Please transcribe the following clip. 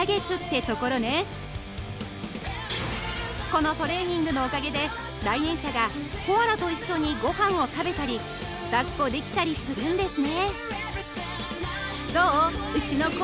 このトレーニングのおかげで来園者がコアラと一緒にご飯を食べたりだっこできたりするんですね